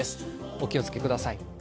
お気をつけください。